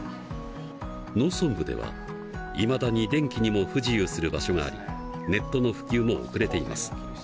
農村部ではいまだに電気にも不自由する場所がありネットの普及も遅れています。